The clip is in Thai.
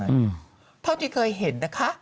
เพราะฉะนั้นที่เคยเห็นนะคะ